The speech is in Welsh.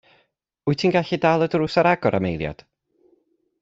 Wyt ti'n gallu dal y drws ar agor am eiliad?